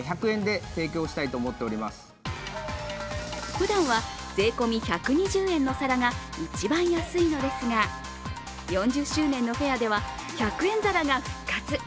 ふだんは税込み１２０円の皿が一番安いのですが４０周年のフェアでは１００円皿が復活。